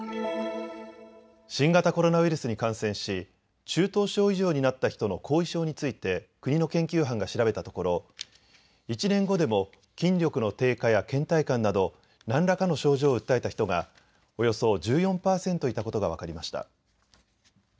新型コロナウイルスに感染し中等症以上になった人の後遺症について国の研究班が調べたところ１年後でも筋力の低下やけん怠感など何らかの症状を訴えた人がおよそ１４％いたことが分かりました。